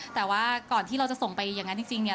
แต่ว่าก่อนที่เราจะส่งไปอย่างนั้นจริงเนี่ย